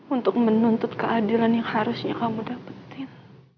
untuk menuntut keadilan yang harusnya kamu dapetin